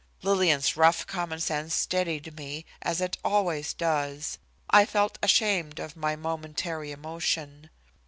'" Lillian's rough common sense steadied me, as it always does. I felt ashamed of my momentary emotion.